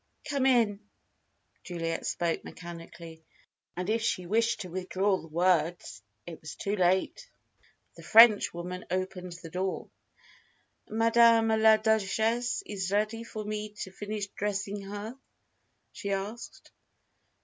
"Come in!" Juliet spoke mechanically; and if she wished to withdraw the words, it was too late. The Frenchwoman opened the door. "Madame la Duchesse is ready for me to finish dressing her?" she asked.